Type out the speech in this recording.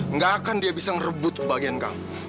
nggak akan dia bisa merebut kebahagiaan kamu